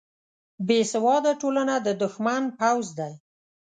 بیسواده ټولنه د دښمن پوځ دی